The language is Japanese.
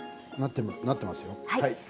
なっていますよ。